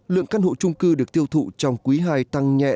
lượng căn hộ trung cư được tiêu thụ trong quý ii tăng nhẹ